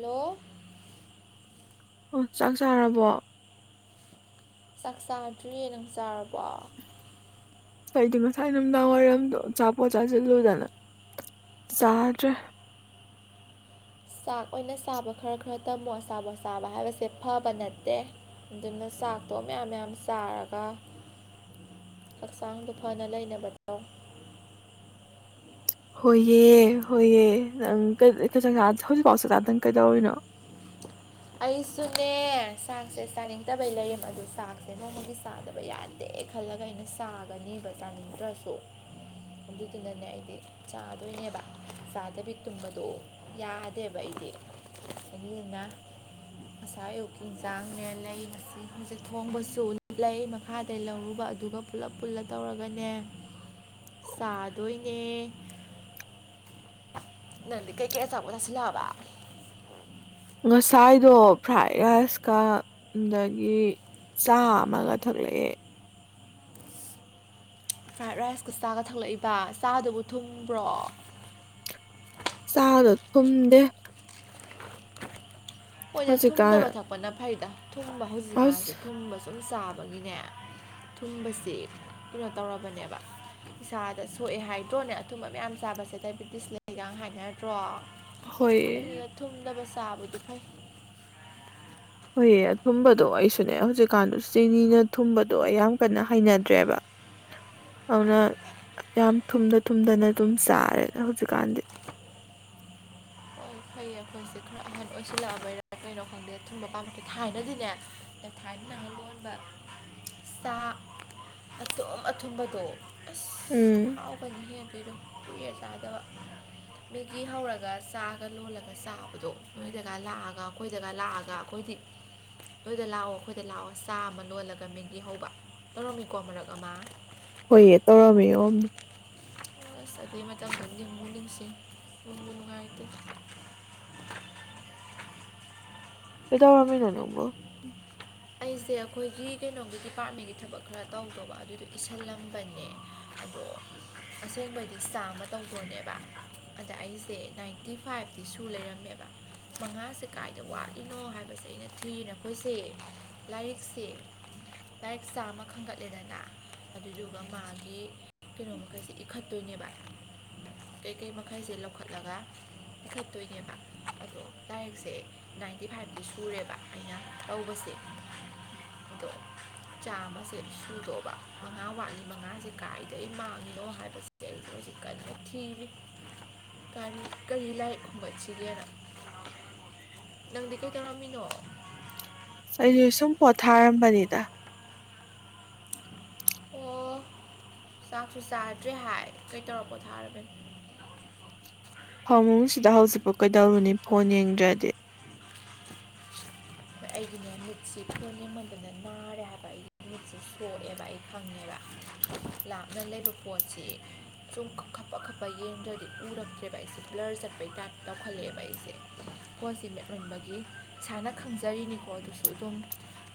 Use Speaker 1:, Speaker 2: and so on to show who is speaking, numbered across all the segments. Speaker 1: hello
Speaker 2: ꯑꯣ ꯆꯥꯛ ꯆꯥꯔꯕꯣ
Speaker 1: ꯆꯥꯛ ꯆꯥꯗ꯭ꯔꯤꯌꯦ ꯅꯪ ꯆꯥꯔꯕꯣ
Speaker 2: ꯑꯗꯤ ꯉꯁꯥꯏ ꯅꯨꯃꯤꯗꯥꯡ ꯋꯥꯏꯔꯝꯗꯣ ꯑꯆꯥꯄꯣꯠ ꯆꯥꯁꯤꯜꯂꯨꯗꯅ ꯆꯥꯗ꯭ꯔꯦ
Speaker 1: ꯆꯥꯛ ꯑꯣꯏꯅ ꯆꯥꯕ ꯈꯔ ꯈꯔ ꯇꯝꯃꯣ ꯑꯁꯥꯕꯣꯠ ꯆꯥꯕ ꯍꯥꯏꯕꯁꯦ ꯐꯕ ꯅꯠꯇꯦ ꯑꯗꯨꯅ ꯆꯥꯛꯇꯣ ꯃꯌꯥꯝ ꯃꯌꯥꯝ ꯆꯥꯔꯒ ꯍꯛꯆꯥꯡꯗꯣ ꯐꯅ ꯂꯩꯅꯕ ꯇꯧ
Speaker 2: ꯍꯣꯏꯌꯦ ꯍꯣꯏꯌꯦ ꯅꯪ ꯀ ꯆꯥꯛ ꯆꯥ ꯍꯧꯖꯤꯛꯐꯥꯎ ꯆꯥꯛꯆꯥꯗꯅ ꯀꯩꯗꯧꯔꯤꯅꯣ
Speaker 1: ꯑꯩꯁꯨꯅꯦ ꯥꯁꯥꯡꯁꯦ ꯆꯥꯅꯤꯡꯗ ꯕꯩ ꯂꯩꯌꯦꯝ ꯑꯗꯨ ꯆꯥꯛꯁꯦ ꯅꯣꯡꯃꯒꯤ ꯆꯥꯗꯕ ꯌꯥꯗꯦ ꯈꯜꯂꯒ ꯑꯩꯅ ꯆꯥꯒꯅꯦꯕ ꯆꯥꯅꯤꯡꯗ꯭ꯔꯁꯨ ꯑꯗꯨꯗꯨꯅꯅꯦ ꯑꯩꯗꯤ ꯆꯥꯗꯣꯏꯅꯦꯕ ꯆꯥꯗꯕꯤ ꯇꯨꯝꯕꯗꯣ ꯌꯥꯗꯦꯕ ꯑꯩꯗꯤ ꯑꯗꯨꯗꯨꯅ ꯉꯁꯥꯏ ꯑꯌꯨꯛꯀꯤ ꯌꯦꯟꯁꯥꯡꯅꯦ ꯂꯩ ꯉꯁꯤ ꯍꯧꯖꯤꯛ ꯊꯣꯡꯕꯁꯨ ꯂꯩ ꯃꯈꯥꯗ ꯂꯧꯔꯨꯕ ꯑꯗꯨꯒ ꯄꯨꯂꯞ ꯄꯨꯜꯂ ꯇꯧꯔꯒꯅꯦ ꯆꯥꯗꯣꯏꯅꯦ ꯅꯪꯗꯤ ꯀꯩꯀꯩ ꯑꯆꯥ ꯄꫭꯠ ꯆꯥꯁꯤꯜꯂꯛꯑꯕ
Speaker 2: ꯉꯁꯥꯏꯗꯣ ꯐ꯭ꯔꯥꯏꯠ ꯔꯥꯏꯁꯀ ꯗꯒꯤ ꯆꯥ ꯑꯃꯒ ꯊꯛꯂꯛꯑꯦ
Speaker 1: ꯐ꯭ꯔꯥꯏꯠ ꯔꯥꯏꯁꯀ ꯆꯥꯒ ꯊꯂꯛꯏꯕ ꯆꯥꯗꯨꯕꯨ ꯊꯨꯝꯕ꯭ꯔꯣ
Speaker 2: ꯆꯥꯗꫭ ꯊꯨꯝꯗꯦ
Speaker 1: ꯍꫭꯏꯗ ꯊꯨꯝꯗꯕ
Speaker 2: ꯍꯧꯖꯤꯛꯀꯥꯟ
Speaker 1: ꯊꯛꯄꯅ ꯐꯩꯗ ꯊꯨꯝꯕ ꯍꯧꯖꯤꯛꯀꯥꯟꯁꯦ
Speaker 2: ꯍꯧꯖꯤꯛ,
Speaker 1: ꯊꯨꯝꯕ ꯁꯨꯝ ꯆꯥꯕꯒꯤꯅꯦ ꯊꯨꯝꯕꯁꯤ ꯀꯩꯅꯣ ꯇꯧꯔꯕꯅꯦꯕ ꯏꯁꯥꯗ ꯁꯣꯛꯑꯦ ꯍꯥꯏꯗ꯭ꯔꯣꯅꯦ ꯑꯊꯨꯝꯕ ꯃꯌꯥꯝ ꯆꯥꯕꯁꯦ ꯗꯥꯏꯕꯦꯇꯤꯁ ꯂꯩꯩꯒꯥꯡ ꯍꯥꯏꯅꯗ꯭ꯔꯣ
Speaker 2: ꯍꯣꯏ
Speaker 1: ꯑꯩꯅ ꯊꯨꯝꯗꯕꯁ ꯆꯥꯕꯗꯤꯐꯩ
Speaker 2: ꯍꯣꯏꯌꯦ ꯑꯊꯨꯝꯕꯗꯣ ꯑꯩꯁꯨꯅꯦ ꯍꯧꯖꯤꯛꯀꯥꯟꯗꯨ ꯆꯤꯅꯤꯅ ꯊꯨꯝꯕꯗꯣ ꯑꯩ ꯌꯥꯝ ꯀꯟꯅ ꯍꯩꯅꯗ꯭ꯔꯦꯕ ꯑꯗꯨꯅ ꯌꯥꯝ ꯊꯨꯝꯗ ꯊꯨꯝꯗꯅ ꯑꯗꯨꯝ ꯆꯥꯔꯦꯗ ꯍꯧꯖꯤꯛꯀꯥꯟꯗꯤ
Speaker 1: ꯐꯩ ꯑꯩꯈꯣꯏꯁꯦ ꯈꯔ ꯑꯍꯟ ꯑꯣꯏꯁꯤꯜꯂꯛꯑꯕꯩꯔꯥ ꯀꯩꯅꯣ ꯈꯪꯗꯦ ꯑꯊꯨꯝꯕ ꯄꯥꯝꯕꯗ꯭ꯔꯦ ꯊꯥꯏꯅꯗꯤꯅꯦ ꯑꯦ ꯊꯥꯏꯅꯅ ꯅꯪꯅ ꯂꯣꯟꯕ ꯆꯥ ꯑꯇꯨꯝ ꯑꯊꯨꯝꯕꯗꯣ ꯑꯁ
Speaker 2: ꯎꯝ
Speaker 1: ꯍꯥꯎꯕꯅꯤꯍꯦ ꯑꯗꯨꯗꫭ ꯀꯨꯏꯔꯦꯆꯥꯗꯕ ꯃꯦꯒꯤ ꯍꯧꯔꯒ ꯆꯥ ꯒ ꯂꯣꯜꯂꯒ ꯆꯥꯕꯗꯣ ꯅꯣꯏꯗꯒ ꯂꯥꯛꯑꯒ ꯑꯩꯈꯣꯏꯗꯒ ꯂꯥꯛꯑꯒ ꯑꯩꯈꯣꯏꯗꯤ ꯅꯣꯏꯗ ꯂꯥꯛꯑꯣ ꯑꯩꯈꯣꯏꯗ ꯂꯥꯛꯑꯣ ꯆꯥ ꯑꯃ ꯂꯣꯜꯂꯒ ꯃꯦꯒꯤ ꯍꯧꯕ ꯇꯧꯔꯝꯃꯤꯀꯣ ꯃꯔꯛ ꯑꯃ
Speaker 2: ꯍꯣꯏꯌꯦ ꯇꯧꯔꯝꯃꯦ ꯌꫭꯝꯅ
Speaker 1: ꯑꯁ ꯑꯗꯨꯏ ꯃꯇꯝꯗꫭ ꯅꯨꯡꯕꯨ ꯅꯨꯡꯁꯤ ꯅꯨꯡꯕꯨ ꯅꯨꯡꯉꯥꯏꯇꯦ
Speaker 2: ꯀꯩꯗꯧꯔꯝ ꯃꯤꯅꫭ ꯅꯪꯕꫭ
Speaker 1: ꯑꯩꯁꯦ ꯑꯩꯈꯣꯏꯒꯤ ꯀꯩꯅꯣꯒꯤ ꯗꯤꯄꯥꯔꯠꯃꯦꯟꯒꯤ ꯊꯕꯛ ꯈꯔ ꯇꯧꯗꯧꯕ ꯑꯗꯨꯗꯨ ꯏꯁꯜꯂꯝꯕꯅꯦ ꯑꯗꯣ ꯑꯁꯦꯡꯕꯩꯗꯤ ꯆꯥꯝꯃ ꯇꯧꯗꫭꯅꯦꯕ ꯑꯗ ꯑꯩꯁꯦ ꯅꯥꯏꯟꯇꯤ ꯐꯥꯏꯚꯇꯤ ꯁꯨ ꯂꯩꯔꯝꯃꯦꯕ ꯃꯉꯥꯁꯦ ꯀꯥꯏꯗ ꯋꯥꯠꯂꯤꯅꯣ ꯍꯥꯏꯕꯁꯦ ꯑꯩꯅ ꯊꯤꯔ ꯑꯩꯈꯣꯏꯁꯦ ꯂꯥꯏꯔꯤꯛꯁꯦ ꯂꯥꯏꯔꯤꯛ ꯆꯥꯝꯃ ꯈꯟꯒꯠꯂꯦꯗꯅ ꯑꯗꯨꯗꯨꯒ ꯃꯥꯒꯤ ꯀꯩꯅꯣ ꯃꯈꯩꯁꯦ ꯏꯈꯠꯇꯣꯏꯅꯦꯕ ꯀꯩꯀꯩ ꯃꯈꯩꯁꯦ ꯂꯧꯈꯠꯂꯒ ꯏꯈꯠꯇꯣꯏꯅꯦꯕ ꯑꯗꯣ ꯂꯥꯏꯔꯤꯛꯁꯦ ꯅꯥꯏꯟꯇꯤ ꯐꯥꯏꯚꯗꯤ ꯁꯨꯔꯦꯕ ꯑꯩꯅ ꯇꯧꯕꯁꯦ ꯑꯗꯣ ꯆꯥꯃꯁꯦ ꯁꯨꯗꯣꯕ ꯃꯉꯥ ꯋꯥꯠꯂꯤ ꯃꯉꯥꯁꯦ ꯀꯥꯏꯗꯩ ꯃꯥꯡꯉꯤꯅꯣ ꯍꯥꯏꯕꯕꯁꯦ ꯑꯩꯗ ꯍꯧꯖꯤꯛ ꯀꯟꯅ ꯊꯤꯔꯤ ꯀꯔꯤ ꯀꯔꯤ ꯂꯥꯏꯔꯤꯛ ꯈꯨꯝꯒꯠꯁꯤꯒꯦꯅ ꯅꯪꯗꯤ ꯀꯩꯗꯧꯔꯝꯃꯤꯅꯣ
Speaker 2: ꯑꯩꯁ ꯁꯨꯝ ꯄꯣꯊꯥꯔꯝꯕꯅꯤꯗ
Speaker 1: ꯑꯣ ꯆꯥꯛꯁꯨ ꯆꯥꯗ꯭ꯔꯦ ꯍꯥꯏ ꯀꯩ ꯇꯧꯔ ꯄꯣꯊꯥꯔꯕ
Speaker 2: ꯐꯃꯨꯡꯁꯤꯗ ꯍꯧꯖꯤꯛꯕꯧ ꯀꯩꯗꯧꯔꯨꯅꯤ ꯐꯣꯟ ꯌꯦꯡꯗ꯭ꯔꯗꯤ
Speaker 1: ꯑꯩꯒꯤꯅꯦ ꯃꯤꯠꯁꯤ ꯐꯣꯟ ꯌꯦꯡꯃꯟꯗꯅ ꯅꯥꯔꯦ ꯍꯥꯏꯕ ꯑꯩ ꯃꯤꯠꯁ ꯁꯣꯛꯑꯦꯕ ꯑꯩ ꯈꯪꯉꯦꯕ ꯂꯥꯞꯅ ꯂꯩꯕ ꯄꯣꯠꯁꯤ ꯁꯨꯝ ꯈ ꯈꯞ ꯈꯞꯄ ꯌꯦꯡꯗ꯭ꯔꯗꯤ ꯎꯔꯛꯇ꯭ꯔꯦꯕ ꯑꯩꯁꯦ ꯕ꯭ꯂꯔ ꯆꯠꯄꯩ ꯇꯥꯏꯞ ꯇꯧꯈꯠꯂꯛꯑꯦꯕ ꯑꯩꯁꯦ ꯐꯣꯟꯁꯦ ꯃꯦꯠꯃꯟꯕꯒꯤ ꯏꯁꯥꯅ ꯈꯪ ꯖꯔꯤꯅꯤꯀꯣ ꯑꯗꯨꯁꯨ ꯑꯗꯨꯝ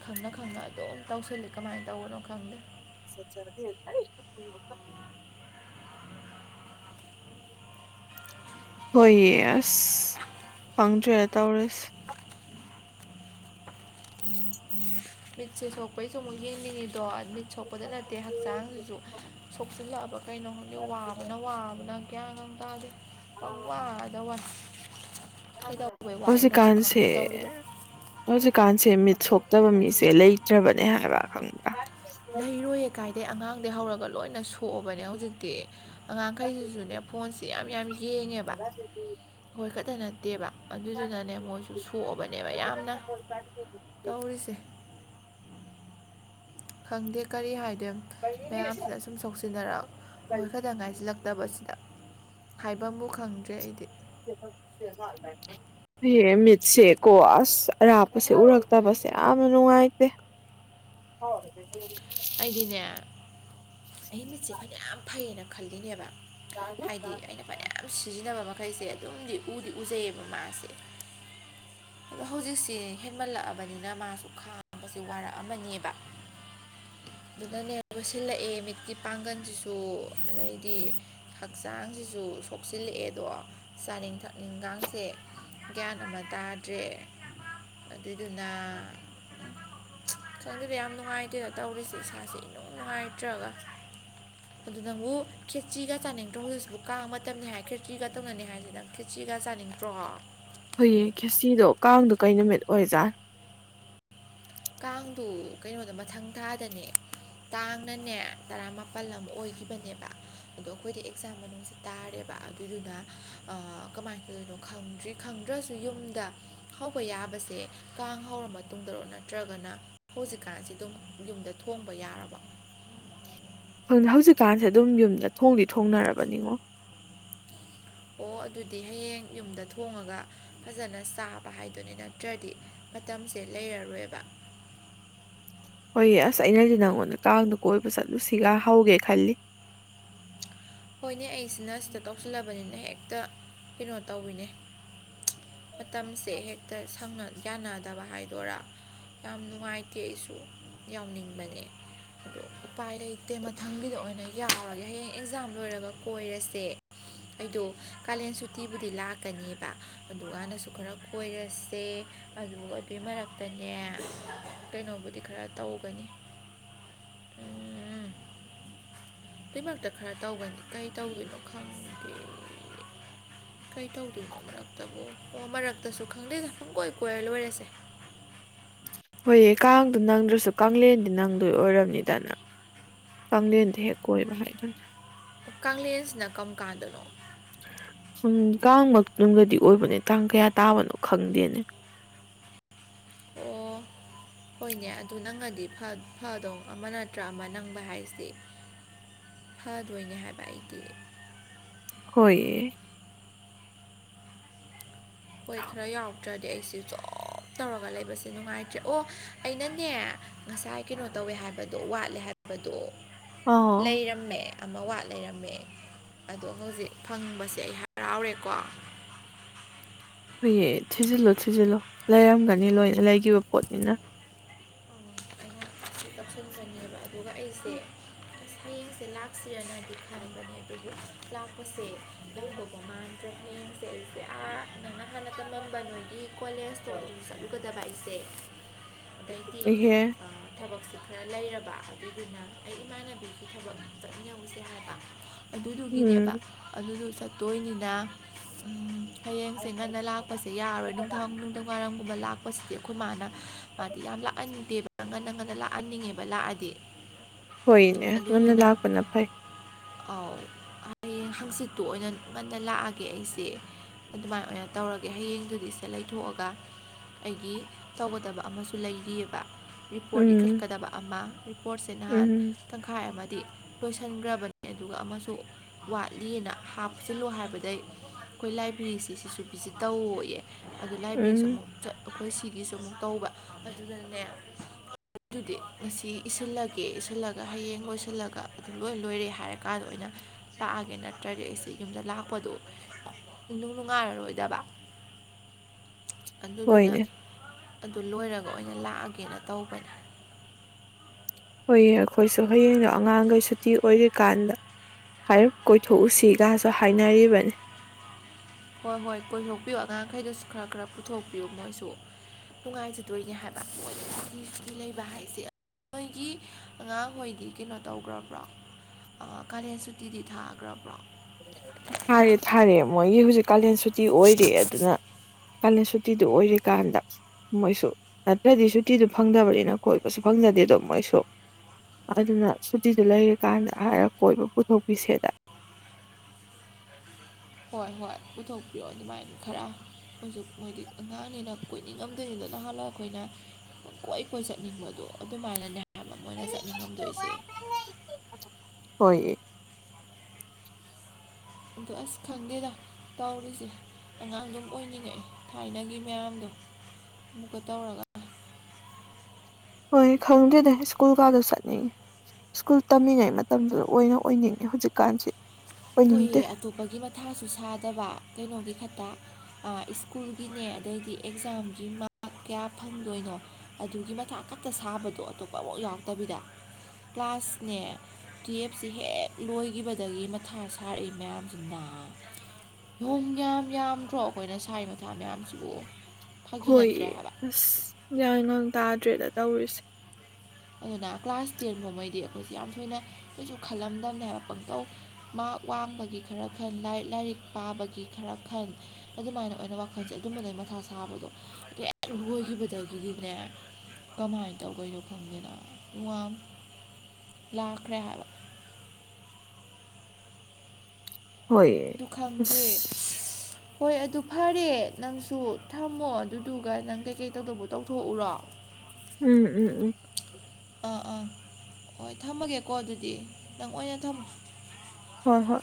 Speaker 1: ꯈꯪꯅ ꯈꯪꯅ ꯑꯗꯨꯝ ꯇꯧꯁꯜꯂꯤ ꯀꯃꯥꯏꯅ ꯇꯧꯕꯅꯣ ꯈꯪꯗꯦ
Speaker 2: ꯗꫭꯛꯇꯔꯗꯤ ꯑꯩꯁꯨ‌ ꯈꯪꯗꯦꯀꫭ ꯍꯣꯏꯌꯦ ꯑꯁ ꯈꯪꯗ꯭ꯔꯦ ꯑ ꯇꯧꯔꯤ
Speaker 1: ꯃꯤꯠꯁꯦ ꯁꯣꯛꯄꯩꯁꯨ ꯑꯃꯨꯛ ꯌꯦꯡꯅꯤꯡꯉꯤꯗꯣ ꯃꯤꯠ ꯁꯣꯛ ꯄꯗ ꯅꯠꯇꯦ ꯍꯛꯆꯥꯡꯁꯨ ꯁꫭ ꯆꯤꯜꯂꯕ ꯀꯩꯅꯣ ꯈꯪꯗꯦ ꯋꯥꯕꯅ ꯋꯥꯕꯅ ꯀ꯭ꯌꯥꯝ ꯇꯥꯗꯦ ꯄꯧꯋꯥꯗ ꯋꯥ
Speaker 2: ꯍꯧꯖꯤ ꯀꯥꯟꯁꯦ
Speaker 1: ꯈꯪꯗꯦ ꯇꯧꯔꯤꯕ
Speaker 2: ꯑꯣ ꯎꯆ ꯀꯥꯟꯁꯤ ꯁꯦ ꯃꯤꯠ ꯁꯣꯛꯇꯕ ꯃꯤꯁꯦ ꯂꯩꯇ꯭ꯔꯕꯅꯦ ꯍꯥꯏꯕ ꯈꯪꯕ꯭ꯔꯥ
Speaker 1: ꯂꯩꯔꯣꯏꯌꯦ ꯀꯥꯏꯗꯩ ꯑꯉꯥꯡꯗꯩ ꯍꯧꯔꯒꯣ ꯂꯣꯏꯅ ꯁꯣꯛꯑꯕꯅꯦ ꯍꯧꯖꯤꯛꯇꯤ ꯑꯉꯥꯡꯈꯩꯁꯤꯁꯨꯅꯦ ꯐꯣꯟꯁꯦ [inaudible] ꯌꯦꯡꯉꯦꯕ ꯍꯣꯏꯈꯠ ꯐꯠꯇ ꯅꯠꯇꯦꯕ ꯑꯗꯨꯗꯨꯅꯅꯦ ꯃꯣꯏꯁꯨ ꯁꯣꯛꯑꯕꯅꯦꯕ ꯌꯥꯝꯅ ꯇꯧꯔꯤꯁꯦ ꯈꯪꯗꯦ ꯀꯔꯤ ꯍꯥꯏ ꯑꯗꯨꯝ ꯃꯌꯥꯝꯁꯤꯗ ꯁꯨꯝ ꯁꯣꯛꯁꯤꯟꯅꯔꯛꯑ ꯍꯣꯏ ꯈꯛꯇꯪ ꯉꯥꯏꯁꯤꯜꯂꯛꯄ ꯐꯠꯇꯕꯁꯤꯗ ꯍꯥꯏꯕꯕꯨ ꯈꯪꯗ꯭ꯔꯦ ꯑꯩꯗꯤ
Speaker 2: ꯍꯌꯦꯡ ꯃꯤꯠꯁꯦꯀꯣ ꯑꯁ ꯑꯔꯥꯞꯄꯁꯦ ꯎꯔꯛꯇꯕꯁꯦ ꯌꯥꯝꯅ ꯅꯨꯡꯉꯥꯏꯇꯦ
Speaker 1: ꯑꯩꯗꯤꯅꯦ ꯑꯩ ꯃꯆꯦ ꯐꯅ ꯌꯥꯝ ꯐꯩꯌꯦꯅ ꯈꯜꯂꯤꯂꯤꯦꯅꯤ ꯍꯥꯏꯕ ꯍꯥꯏꯗꯤ ꯑꯩꯅ ꯐꯅꯌꯥꯝ ꯁꯤꯖꯤꯟꯅꯕ ꯃꯈꯩꯁꯦ ꯑꯗꯨꯝꯗꯤ ꯎꯗꯤ ꯎꯖꯩꯌꯦ ꯑꯗꯨꯒ ꯃꯥꯁꯦ ꯑ ꯍꯧꯖꯤꯛꯁꯤ ꯍꯦꯟꯃꯜꯂꯛꯑꯕꯅꯤꯅ ꯃꯥꯁꯨ ꯈꯥꯡꯕꯁꯦ ꯋꯥꯔꯛꯑꯃꯅꯦꯕ ꯑꯗꯨꯅꯅꯦ ꯂꯣꯏꯁꯤꯜꯂꯛꯑꯦ ꯃꯤꯠꯀꯤ ꯄꯥꯡꯒꯜꯁꯤꯁꯨ ꯑꯗꯩꯗꯤ ꯍꯛꯆꯥꯡꯁꯤꯁꯨ ꯁꯣꯛꯆꯤꯜꯂꯛꯑꯦꯗꯣ ꯆꯥꯅꯤꯡ ꯊꯛꯅꯤꯡꯒꯁꯦ ꯒ꯭ꯌꯥꯟ ꯑꯃ ꯇꯥꯗ꯭ꯔꯦ ꯑꯗꯨꯏꯗꯨꯅ ꯁꯪ ꯑꯗꯨꯗꯤ ꯌꯥꯝ ꯅꯨꯡꯉꯥꯏꯇꯦ ꯇꯧꯔꯤꯁꯦ ꯏꯁꯥꯁꯦꯅꯨꯡ ꯅꯨꯡꯉꯥꯏꯇ꯭ꯔꯒ ꯑꯗꯨ ꯅꯪꯕꯨ ꯈꯦꯆꯤꯒ ꯆꯥꯅꯤꯡꯗ꯭ꯔꯣ ꯍꯧꯖꯤꯛꯁꯤꯕꯨ ꯀꯥꯡ ꯃꯇꯝꯅꯤ ꯍꯥꯏ ꯈꯦꯆꯤꯒ ꯇꯧꯅꯅꯤ ꯍꯥꯏꯁꯤꯦ ꯅꯪ ꯈꯦꯆꯤꯒ ꯆꯥꯅꯤꯡꯗ꯭ꯔꯣ
Speaker 2: ꯍꯨꯌꯦ ꯈꯦꯁꯤꯗꯣ ꯀꯥꯡꯗꯨꯣ ꯀꯩ ꯅꯨꯃꯤꯠ ꯑꯣꯏꯖꯥꯠ
Speaker 1: ꯀꯥꯡꯗꯨ ꯀꯩꯅꯣꯗꯣ ꯃꯊꯪ ꯊꯥꯗꯅꯦ ꯀꯥꯡꯥꯡꯅꯅꯦ ꯇꯔꯥ ꯃꯥꯄꯜ ꯑꯃ ꯑꯣꯏꯈꯤꯕꯅꯦꯕ ꯑꯗꯣ ꯑꯩꯈꯣꯏꯗꯤ ꯑꯦꯛꯖꯥꯝ ꯃꯅꯨꯡꯁꯦ ꯇꯥꯔꯦꯕ ꯑꯗꯨꯏꯗꯨꯅ ꯀꯃꯥꯏꯅ ꯇꯧꯗꯣꯏꯅꯣ ꯈꯪꯗ꯭ꯔꯤ ꯈꯪꯗ꯭ꯔꯁꯨ ꯌꯨꯝꯗ ꯍꯧꯕ ꯌꯥꯕꯁꯦ ꯀꯥꯡ ꯍꯧꯔ ꯃꯇꯨꯡꯗꯔꯣꯅ ꯅꯠꯇ꯭ꯔꯒꯅ ꯍꯧꯖꯤꯛꯀꯥꯟꯁꯤ ꯑꯗꯨꯝ ꯌꯨꯝꯗ ꯊꯣꯡꯕ ꯌꯥꯔꯕ
Speaker 2: ꯪ ꯍꯧꯖꯤꯛꯀꯥꯟꯁꯦ ꯑꯗꯨꯝ ꯌꯨꯝꯗ ꯊꯣꯡꯗꯤ ꯊꯣꯡꯅꯔꯕꯅꯤꯉꯣ
Speaker 1: ꯑꯣ ꯑꯗꯨꯗꯤ ꯍꯌꯦꯡ ꯌꯨꯝꯗ ꯊꯣꯡꯉꯒ ꯐꯖꯅ ꯆꯥꯕ ꯍꯥꯏꯗꯨꯅꯤ ꯅꯠꯇ꯭ꯔꯗꯤ ꯃꯇꯝꯁꯦ ꯂꯩꯔꯔꯣꯏꯕ
Speaker 2: ꯍꯣꯏꯌꯦ ꯑꯁ ꯑꯩꯅꯗꯤ ꯅꯪꯉꯣꯟꯗ ꯀꯥꯡꯗ ꯀꯣꯏꯕ ꯆꯠꯂꯨꯁꯤꯒ ꯍꯧꯒꯦ ꯈꯜꯂꯤ
Speaker 1: ꯍꯣꯏꯅꯦ ꯑꯩꯁꯤꯅ ꯁꯤꯗ ꯇꯧꯁꯤꯜꯂꯕꯅꯤꯅ ꯍꯦꯛꯇ ꯀꯩꯅꯣ ꯇꯧꯋꯤꯅꯦ ꯃꯇꯝꯁꯦ ꯍꯦꯛꯇ ꯌꯥꯅꯗꯕ ꯍꯥꯏꯗꯣꯏꯔꯥ ꯌꯥꯝ ꯅꯨꯡꯉꯥꯏꯇꯦ ꯑꯩꯁꯨ ꯌꯥꯎꯅꯤꯡꯕꯅꯦ ꯑꯗꯣ ꯎꯄꯥꯏ ꯂꯩꯇꯦ ꯃꯊꯪꯒꯤꯗ ꯑꯣꯏꯅ ꯌꯥꯔꯒꯦ ꯍꯌꯦꯡ ꯑꯦꯛꯖꯥꯝ ꯂꯣꯏꯔꯒ ꯀꯣꯏꯔꯁꯦ ꯑꯩꯗꯣ ꯀꯥꯂꯦꯟ ꯁꯨꯇꯤꯕꯨꯗꯤ ꯂꯥꯛꯀꯅꯦꯕ ꯑꯗꯨꯀꯥꯟꯗꯁꯨ ꯈꯔ ꯀꯣꯏꯔꯁꯦ ꯑꯗꯨꯕꯨ ꯑꯗꯨꯒꯤ ꯃꯔꯛꯇꯅꯦ ꯀꯩꯅꯣꯕꯨꯗꯤ ꯈꯔ ꯇꯧꯒꯅꯤ ꯎꯝ ꯑꯗꯨ ꯃꯔꯛꯇ ꯈꯔ ꯇꯧꯒꯅꯤ ꯀꯩ ꯇꯧꯗꯣꯏꯅꯣ ꯈꯪꯗꯦ ꯀꯩ ꯇꯧꯗꯣꯏꯅꯣ ꯃꯔꯛꯇꯕꯨ ꯑꯣ ꯃꯔꯛꯇꯁꯨ ꯈꯪꯗꯦꯗ ꯄꯨꯡ ꯀꯣꯏ ꯀꯣꯏꯔ ꯂꯣꯏꯔꯁꯦ
Speaker 2: ꯍꯣꯏꯌꯦ ꯀꯥꯡꯗꯣ ꯅꯪꯗ꯭ꯔꯁꯨ ꯀꯦꯟꯗꯤ ꯅꯪꯗꯣꯏ ꯑꯣꯏꯔꯕꯝꯅꯤꯗꯅ ꯀꯦꯟꯗꯤ ꯍꯦꯛ ꯀꯣꯏꯕ ꯍꯥꯏꯗꯨꯅ
Speaker 1: ꯀꯦꯟꯁꯤꯅ ꯀꯔꯝ ꯀꯥꯟꯗꯅꯣ
Speaker 2: ꯀꯥꯡꯃꯛꯇꯗꯗꯤ ꯑꯣꯏꯕꯅꯦ ꯇꯥꯡ ꯀꯌꯥ ꯇꯥꯕꯅꯣ ꯈꯪꯗꯦꯅꯦ
Speaker 1: ꯑꯣ ꯍꯣꯏꯅꯦ ꯑꯗꯨ ꯅꯪꯅꯗꯤ ꯐꯗꯣ ꯑꯃ ꯅꯠꯇ꯭ꯔꯥ ꯑꯃ ꯅꯪꯕ ꯍꯥꯏꯁꯦ ꯐꯗꯣꯏꯅꯦ ꯍꯥꯏꯕ ꯑꯩꯗꯤ
Speaker 2: ꯍꯣꯏ
Speaker 1: ꯍꯣꯏ ꯈꯔ ꯌꯥꯎꯗ꯭ꯔꯗꯤ ꯑꯩꯁꯦ ꯖꯣꯞ ꯇꯧꯔꯒ ꯂꯩꯕꯁꯦ ꯅꯨꯡꯉꯥꯏꯇ꯭ꯔꯦ ꯑꯣ ꯑꯩꯅꯅꯦ ꯉꯁꯥꯏ ꯀꯩꯅꯣ ꯇꯧꯋꯦ ꯍꯥꯏꯕꯗꯣ ꯋꯥꯠꯂꯦ ꯍꯥꯏꯕꯗꯣ
Speaker 2: ꯑꯥ
Speaker 1: ꯂꯩꯔꯝꯃꯦ ꯑꯃ ꯋꯥꯠ ꯂꯩꯔꯝꯃꯦ ꯑꯗꯣ ꯍꯧꯖꯤꯛ ꯐꯪꯕꯁꯦ ꯑꯩ ꯍꯔꯥꯎꯔꯦꯀꯣ
Speaker 2: ꯑꯩꯣꯏ ꯊꯤꯖꯤꯜꯂꯨ ꯊꯤꯖꯤꯜꯂꯨ ꯂꯩꯔꯝꯒꯅꯤ ꯂꯣꯏꯅ ꯂꯩꯈꯤꯕ ꯄꯣꯠꯅꯤꯅ
Speaker 1: ꯑꯣ ꯑꯩꯍꯥꯛ ꯁꯤ ꯇꯧꯁꯤꯟꯒꯅꯦꯕ ꯑꯗꯨꯒ ꯑꯩꯁꯦ ꯑꯁ ꯍꯌꯦꯡꯁꯦ ꯂꯥꯛꯁꯤꯔꯅ ꯈꯥꯟꯥꯟꯕꯅꯤꯕꯒ ꯂꯥꯛꯞꯄꯁꯦ
Speaker 2: ꯍ
Speaker 1: ꯇ꯭ꯔꯅꯤꯡꯁꯦ ꯑꯩ ꯀꯌꯥ ꯑꯗꯨꯅ ꯍꯥꯟꯅ ꯇꯝꯃꯝꯕ ꯅꯣꯏꯒꯤ ꯀꯣꯂꯦꯖꯇꯣ ꯑꯗꯨꯝ ꯆꯠꯂꯨꯒꯗꯕ ꯑꯩꯁꯦ ꯑꯗꯩꯗꯤ
Speaker 2: ꯏꯍꯦ
Speaker 1: ꯊꯕꯛꯁꯦ ꯈꯔ ꯂꯩꯔꯕ ꯑꯗꯨꯗꯨꯅ ꯑꯩ ꯏꯃꯥꯟꯅꯕꯤꯒꯤ ꯊꯕꯛ ꯑꯃ ꯆꯠꯃꯤꯟꯅꯧꯁꯦ ꯍꯥꯏꯕ
Speaker 2: ꯎꯝ
Speaker 1: ꯑꯗꯨꯗꯨꯒꯤꯅꯦꯕ ꯑꯗꯨꯗꯨ ꯆꯠꯇꯣꯏꯅꯤꯅ ꯍꯌꯦꯡ ꯆꯦꯡꯒꯟꯗ ꯂꯥꯛꯄꯁꯦ ꯌꯥꯔꯣꯏ ꯅꯨꯡꯊ ꯅꯨꯡꯊꯡ ꯋꯥꯏꯔꯝ ꯒꯨꯝꯕ ꯂꯥꯛꯄꯁꯤꯗꯤ ꯑꯩꯈꯣꯏ ꯃꯥꯅ ꯃꯥꯗꯤ ꯌꯥꯝ ꯂꯥꯛꯍꯟꯅꯤꯡꯗꯦꯕ ꯂꯥꯛꯍꯟꯅꯤꯡꯉꯦꯕ ꯂꯥꯛꯑꯗꯤ
Speaker 2: ꯍꯣꯏꯅꯦ ꯉꯟꯅ
Speaker 1: ꯑꯗꯨꯏꯗꯨꯅ
Speaker 2: ꯂꯥꯛꯄꯅ ꯐꯩ
Speaker 1: ꯑꯧ ꯍꯌꯦꯡ ꯍꯥꯡꯆꯤꯠꯇꯨ ꯑꯣꯏꯅ ꯉꯟꯅ ꯂꯥꯛꯑꯒꯦ ꯑꯩꯁꯦ ꯑꯗꯨꯃꯥꯏꯅ ꯑꯣꯏꯅ ꯇꯧꯔꯒꯦ ꯍꯌꯦꯡꯗꯨꯗꯤ ꯁꯦ ꯂꯩꯊꯣꯛꯑꯒ ꯑꯩꯒꯤ ꯇꯧꯒꯗꯕꯛ ꯑꯃꯁꯨ ꯂꯩꯔꯤꯑꯕ ꯄꯣꯠ
Speaker 2: ꯎꯝ
Speaker 1: ꯏꯈꯠꯀꯗꯕ ꯑꯃ ꯏꯁꯄꯣꯔꯠꯁꯦ ꯅꯍꯥꯟ
Speaker 2: ꯎꯝ
Speaker 1: ꯇꯪꯈꯥꯏ ꯑꯃ ꯗꯤ ꯂꯣꯏꯁꯤꯟꯈ꯭ꯔꯕꯅꯤ ꯑꯗꯨꯒ ꯑꯃꯁꯨ ꯋꯥꯠꯂꯤꯑꯅ ꯍꯥꯞꯆꯤꯜꯂꯨ ꯍꯥꯏꯕꯗꯩ ꯑꯩꯈꯣꯏ ꯂꯥꯏꯕ꯭ꯔꯦꯔꯤꯁꯤ ꯁꯤꯁꯨ ꯚꯤꯖꯤꯠ ꯇꯧꯑꯦ ꯑꯗꯨ ꯂꯥꯏꯕꯔꯤꯁꯨ
Speaker 2: ꯎꯝ
Speaker 1: ꯑꯃꯨꯛ ꯆꯠ ꯑꯩꯈꯣꯏ ꯁꯤꯒꯤꯁꯨ ꯑꯃꯨꯛ ꯇꯧꯕ ꯑꯗꯨꯗꯅꯦ ꯑꯗꯨꯗꯤ ꯉꯁꯤ ꯏꯁꯤꯜꯂꯒꯦ ꯏꯁꯤꯜꯂꯒ ꯍꯌꯦꯡ ꯂꯣꯏꯁꯤꯜꯂꯒ ꯑꯗꯨꯝ ꯂꯣꯏ ꯂꯣꯏꯔꯦ ꯍꯥꯏꯔꯀꯥꯟꯗ ꯑꯩꯅ ꯂꯥꯛꯑꯒꯦ ꯅꯠꯇ꯭ꯔꯗꯤ ꯑꯩꯁꯤꯦ ꯌꯨꯝꯗ ꯂꯥꯛꯄꯗꯨ ꯅꯨꯡ ꯅꯨꯡꯉꯥꯏꯔꯔꯣꯏꯗꯕ ꯑꯗꯨꯗꯨꯅ
Speaker 2: ꯍꯣꯏꯅꯦ
Speaker 1: ꯑꯗꯨ ꯂꯣꯏꯔꯒ ꯑꯣꯏꯅ ꯂꯥꯛꯑꯒꯦꯅ ꯇꯧ [inaudible]
Speaker 2: ꯍꯣꯏꯌꯦ ꯑꯩꯈꯣꯏꯁꯨ ꯍꯌꯦꯡꯗꯣ ꯑꯉꯥꯡꯈꯩ ꯁꯨꯇꯤ ꯑꯣꯏꯔꯤꯀꯥꯟꯗ ꯍꯥꯏꯔꯞ ꯀꯣꯏꯊꯣꯛꯎꯁꯤꯒꯁꯨ ꯍꯥꯏꯅꯔꯤꯕꯅꯤ
Speaker 1: ꯍꯣꯏ ꯍꯣꯏ ꯀꯣꯏꯊꯣꯛꯄꯤꯌꯨ ꯑꯉꯥꯡꯈꯩꯗꯁꯨ ꯈꯔ ꯈꯔ ꯄꯨꯊꯣꯛꯄꯤꯌꯨ ꯃꯣꯏꯁꯨ ꯅꯨꯡꯉꯥꯏꯖꯗꯣꯏꯅꯤ ꯍꯥꯏꯕ ꯃꯣꯏ ꯂꯩꯕ ꯍꯥꯏꯁꯦ ꯅꯣꯏꯒꯤ ꯑꯉꯥꯡꯍꯣꯏꯗꯤ ꯀꯩꯅꯣ ꯇꯧꯈ꯭ꯔꯕ꯭ꯔꯣ ꯀꯥꯂꯦꯟ ꯁꯨꯇꯤꯗꯤ ꯊꯥꯈ꯭ꯔꯕ꯭ꯔꯣ
Speaker 2: ꯊꯥꯔꯦ ꯊꯥꯔꯦ ꯃꯣꯏꯒꯤ ꯍꯧꯖꯤꯛ ꯀꯥꯂꯦꯟ ꯁꯨ ꯗꯤ ꯑꯣꯏꯔꯦꯦ ꯑꯗꯨꯅ ꯀꯂ ꯁꯨꯇꯤꯗꯨ ꯑꯣꯏꯔꯤꯀꯥꯟꯗ ꯃꯣꯏꯁꯨ ꯅꯠꯇ꯭ꯔꯗꯤ ꯁꯨꯇꯤꯗꯨ ꯐꯪꯗꯕꯅꯤꯅ ꯀꯣꯏꯕꯁꯨ ꯐꯪꯖꯗꯦꯗꯣ ꯃꯣꯏꯁꯨ ꯑꯗꯨꯅ ꯁꯨꯇꯤꯗꯨ ꯂꯩꯔꯤꯀꯥꯟꯗ ꯍꯥꯏꯔꯒ ꯀꯣꯏꯕ ꯄꯨꯊꯣꯛꯄꯤꯁꯦꯗ
Speaker 1: ꯍꯣꯏ ꯍꯣꯏ ꯄꯨꯊꯣꯛꯄꯤꯔꯣ ꯑꯗꯨꯃꯥꯏꯅ ꯈꯔ ꯍꯧꯁꯨ ꯃꯣꯏꯗꯤ ꯑꯉꯥꯡꯅꯤꯅ ꯀꯣꯏꯅꯤꯡꯉꯝꯗꯣꯏꯅꯤꯗꯣ ꯅꯍꯥꯟꯋꯥ ꯑꯩꯈꯣꯏꯅ ꯄꯪ ꯀꯣꯏ ꯀꯣꯏ ꯆꯠꯅꯤꯡꯕꯗꯣ ꯑꯗꯨꯃꯥꯏꯅꯅꯦꯅ ꯃꯣꯏꯅ ꯆꯠꯅꯤꯡꯉꯝꯗꯣꯏꯁꯦ
Speaker 2: ꯍꯣꯏ
Speaker 1: ꯑ ꯑꯁ ꯈꯪꯗꯦꯗ ꯇꯧꯔꯤꯁꯦ ꯑꯉꯥꯡꯗꯨꯝ ꯑꯣꯏꯅꯤꯡꯉꯛꯑꯦ ꯊꯥꯏꯅꯒꯤ ꯃꯌꯥꯝꯗꯣ ꯑꯃꯨꯛꯀ ꯇꯧꯔꯒ
Speaker 2: ꯍꯣꯏ ꯈꯪꯗ꯭ꯔꯦꯗ ꯁ꯭ꯀꯨꯜ ꯀꯥꯗ ꯆꯠꯅꯤꯡꯉꯤ ꯁ꯭ꯀꯨꯜ ꯇꯝꯃꯤꯉꯩ ꯃꯇꯝꯗꯨꯗ ꯑꯣꯏꯅ ꯑꯣꯏꯅꯤꯡꯉꯤ ꯍꯧꯖꯤꯛꯀꯥꯟꯁꯤ
Speaker 1: ꯍꯣꯏꯌꯦ
Speaker 2: ꯑꯣꯏꯅꯤꯡꯗꯦ
Speaker 1: ꯑꯇꯣꯞꯄꯒꯤ ꯃꯊꯥꯁꯨ ꯁꯥꯗꯕ ꯀꯩꯅꯣꯒꯤ ꯈ ꯁ꯭ꯀꯨꯜꯒꯤꯅꯦ ꯑꯗꯩꯗꯤ ꯑꯦꯛꯖꯥꯝꯒꯤ ꯃꯥꯔꯛ ꯀꯌꯥ ꯐꯪꯗꯣꯏꯅꯣ ꯑꯗꯨꯒꯤ ꯃꯊꯥ ꯀꯛꯇ ꯁꯥꯕꯗꯣ ꯑꯇꯣꯞꯄ ꯑꯃꯐꯥꯎ ꯌꯥꯎꯛꯇꯕꯤꯗ ꯀ꯭ꯂꯥꯁꯅꯦ ꯇꯨꯌꯦꯜꯞꯁꯦ ꯍꯦꯛ ꯂꯣꯏꯈꯤꯕꯗꯒꯤ ꯃꯊꯥ ꯁꯥꯔꯛꯏ ꯃꯌꯥꯝꯁꯤꯅ ꯅꯣꯡ ꯌꯥꯝ ꯌꯥꯝꯗ꯭ꯔꯣ ꯑꯩꯈꯣꯏꯅ ꯁꯥꯔꯤꯕ ꯃꯊꯥ ꯃꯌꯥꯝꯁꯤꯕꯨ ꯐꯥꯒꯤ
Speaker 2: ꯍꯣꯏ
Speaker 1: ꯅꯠꯇ꯭ꯔꯦ ꯍꯥꯏꯕ
Speaker 2: ꯑꯁ ꯌꯥꯅ ꯇꯥꯗ꯭ꯔꯦꯅ ꯇꯧꯔꯤꯁꯦ
Speaker 1: ꯑꯗꯨꯅ ꯀ꯭ꯂꯥꯁ ꯇꯦꯟꯒꯨꯝꯉꯩꯗꯤ ꯑꯩꯈꯣꯏꯁꯦ ꯌꯥꯝ ꯊꯣꯏꯅ ꯀꯩꯁꯨ ꯈꯜꯂꯝꯗꯝꯅꯦ ꯍꯥꯏꯕ ꯄꯪꯇꯧ ꯃꯔ ꯋꯥꯡꯕꯒꯤ ꯈꯔ ꯈꯟꯔꯤ ꯂꯥꯏꯔꯤꯛ ꯄꯥꯕꯒꯤ ꯈꯔ ꯈꯟ ꯑꯗꯨꯃꯥꯏꯅ ꯑꯣꯏꯅ ꯋꯥꯈꯜꯁꯦ ꯑꯗꯨꯝꯕꯗꯩ ꯃꯊꯥ ꯁꯥꯕꯗꯣ ꯑꯗꯨꯦꯛ ꯂꯣꯏꯈꯤꯕꯗꯒꯤꯗꯤꯅꯦ ꯀꯃꯥꯏꯅ ꯇꯧꯒꯣꯏꯅꯣ ꯊꯗꯦꯗ ꯎ ꯂꯥꯛꯈ꯭ꯔꯦ ꯍꯥꯏꯕ
Speaker 2: ꯍꯣꯏ
Speaker 1: ꯑꯗꯨ
Speaker 2: ꯑ
Speaker 1: ꯈꯪꯗꯦ ꯍꯣꯏ ꯑꯗꯨ ꯐꯔꯦ ꯅꯪꯁꯨ ꯊꯝꯃꯣ ꯑꯗꯨꯗꯨꯒ ꯅꯪ ꯀꯩꯀꯩ ꯇꯧꯗꯧꯕ ꯇꯧꯊꯣꯛꯎꯔꯣ
Speaker 2: ꯎꯝ ꯎꯝ ꯎꯝ
Speaker 1: ꯑꯥ ꯑꯥ ꯍꯣꯏ ꯊꯝꯃꯒꯦꯀꯣ ꯑꯗꯨꯗꯤ ꯅꯪ ꯑꯣꯏꯅ ꯊꯝꯃꯣ
Speaker 2: ꯍꯣꯏ ꯍꯣꯏ